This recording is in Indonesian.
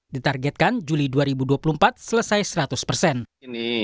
ditargetkan juli dua ribu dua puluh empat selesai seratus persen